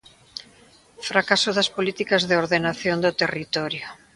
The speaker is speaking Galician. Fracaso das políticas de ordenación do territorio.